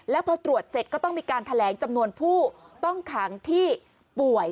แล้วพอตรวจเสร็จก็ต้องมีการแถลงจำนวนผู้ต้องขังที่ป่วย